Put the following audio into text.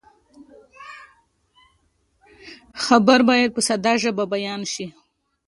خبر باید په ساده ژبه بیان شي.